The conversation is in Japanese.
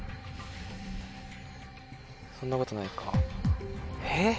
そんなことないかえっ。